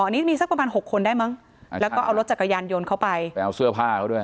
อันนี้มีสักประมาณหกคนได้มั้งแล้วก็เอารถจักรยานยนต์เข้าไปไปเอาเสื้อผ้าเขาด้วย